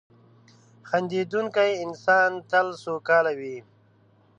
• خندېدونکی انسان تل سوکاله وي.